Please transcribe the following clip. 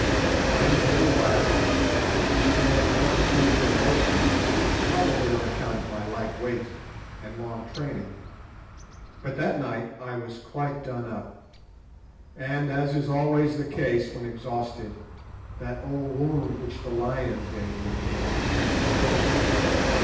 I am very wiry, and can stand more fatigue than most men, probably on account of my light weight and long training; but that night I was quite done up, and, as is always the case with me when exhausted, that old wound which the lion gave me began to pain.